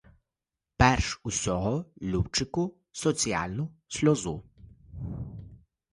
Перш усього, любчику, соціальну сльозу!